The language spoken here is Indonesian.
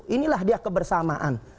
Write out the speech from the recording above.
inilah dia kebersamaan